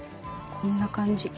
こんな感じ。